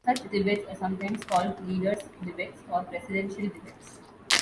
Such debates are sometimes called leaders' debates or presidential debates.